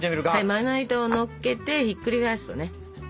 まな板をのっけてひっくり返すのね。